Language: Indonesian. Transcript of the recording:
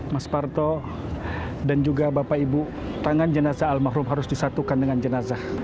mas parto dan juga bapak ibu tangan jenazah almarhum harus disatukan dengan jenazah